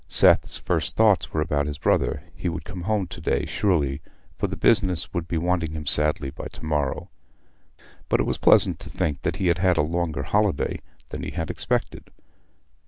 Seth's first thoughts were about his brother: he would come home to day, surely, for the business would be wanting him sadly by to morrow, but it was pleasant to think he had had a longer holiday than he had expected.